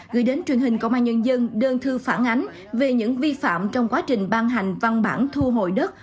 gửi đến truyền hình công an nhân dân đơn thư phản ánh về những vi phạm trong quá trình ban hành văn bản thu hồi đất